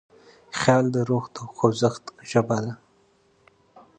خیال د روح د خوځښت ژبه ده.